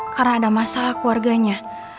karena ada masalah keluarganya